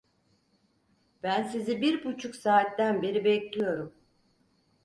Ben sizi bir buçuk saatten beri bekliyorum.